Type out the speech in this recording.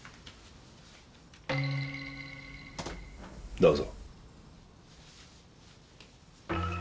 どうぞ。